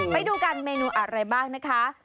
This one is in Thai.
ไปดูกันเมนูอะไรบ้างนะคะ